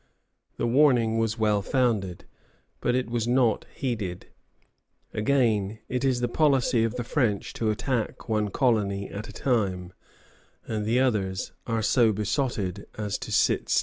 The warning was well founded, but it was not heeded. Again: "It is the policy of the French to attack one colony at a time, and the others are so besotted as to sit still."